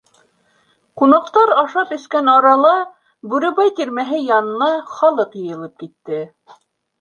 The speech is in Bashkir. Ҡунаҡтар ашап-эскән арала, Бүребай тирмәһе янына халыҡ йыйылып китте.